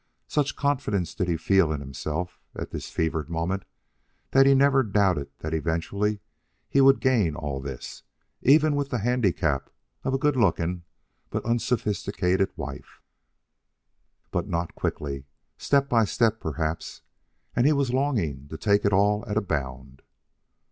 Such confidence did he feel in himself at this fevered moment that he never doubted that eventually he would gain all this, even with the handicap of a good looking but unsophisticated wife. But not quickly;... step by step perhaps ... and he was longing to take it all at a bound.